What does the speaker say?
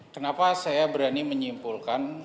kenapa saya berani menyimpulkan